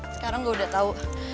sekarang gue udah tau